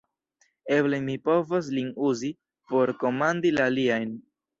Eble mi povos lin uzi, por komandi la aliajn!